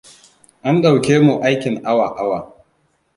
An ɗauke mu aikin awa-awa.